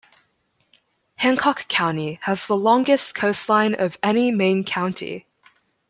Hancock County has the longest coastline of any Maine county.